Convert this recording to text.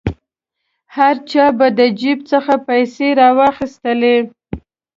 هر چا به د جیب څخه پیسې را واخیستلې.